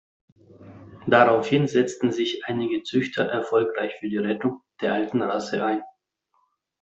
Daraufhin setzten sich einige Züchter erfolgreich für die Rettung der alten Rasse ein.